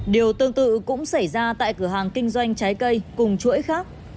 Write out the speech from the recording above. điều tương tự cũng xảy ra tại cửa hàng kinh doanh trái cây cùng chuỗi khác